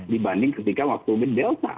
dibanding ketika waktu delta